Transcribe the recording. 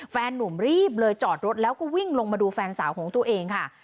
แฟนนุ่มรีบเลยจอดรถแล้วก็วิ่งลงมาดูแฟนสาวของตัวเองค่ะ